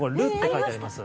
書いてあります？